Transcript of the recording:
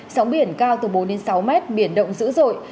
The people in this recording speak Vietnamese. sóng biển cao từ bốn đến sáu mét biển động dữ dội